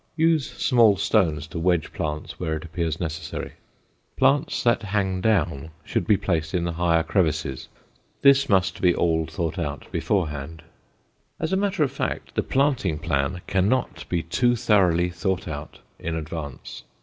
Use small stones to wedge plants where it appears necessary. Plants that hang down should be placed in the higher crevices; this must be all thought out beforehand. As a matter of fact, the planting plan cannot be too thoroughly thought out in advance.